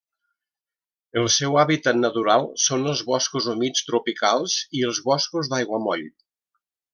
El seu hàbitat natural són els boscos humits tropicals i els boscos d'aiguamoll.